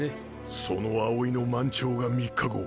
その葵の満潮が３日後。